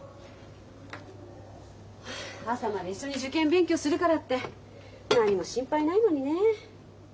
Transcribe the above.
朝まで一緒に受験勉強するからって何も心配ないのにね。